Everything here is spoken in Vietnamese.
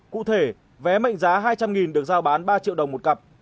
cụ thể vé mệnh giá hai trăm linh được giao bán ba triệu đồng một cặp